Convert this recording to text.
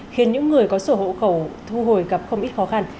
khiến những người có sổ hộ khẩu thu hồi gặp không ít khó khăn